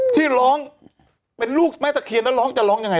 ที่ร้องเป็นลูกแม่ตะเคียนแล้วร้องจะร้องยังไง